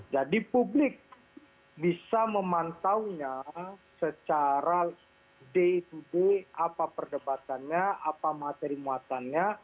jadi publik bisa memantaunya secara day to day apa perdebatannya apa materi muatannya